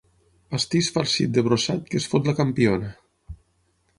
Pastís farcit de brossat que es fot la campiona.